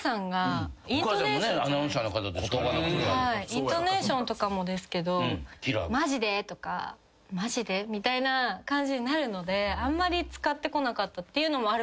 イントネーションとかもですけど「マジで」とか「マジで？」みたいな感じになるのであんまり使ってこなかったというのもあるかもしれないです。